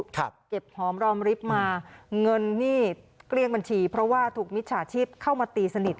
เก็บหอมรอมริบมาเงินนี่เกลี้ยงบัญชีเพราะว่าถูกมิจฉาชีพเข้ามาตีสนิท